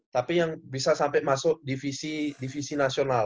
tapi yang bisa sampai masuk divisi nasional